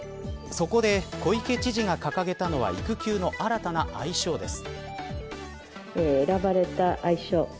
そこで小池知事が掲げたのは育休の新たな愛称です。